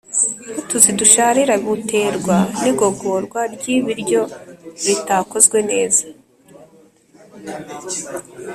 nk’utuzi dusharira; buterwa n’igogorwa ry’ibiryo ritakozwe neza